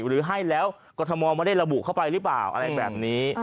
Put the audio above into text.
หรือให้แล้วกรทมไม่ได้ระบุเข้าไปหรือเปล่าอะไรแบบนี้